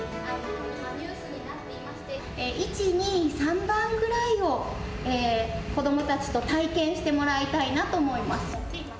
１、２、３番ぐらいを子どもたちと体験してもらいたいなと思います。